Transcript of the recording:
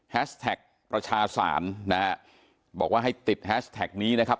แท็กประชาศาลนะฮะบอกว่าให้ติดแฮชแท็กนี้นะครับ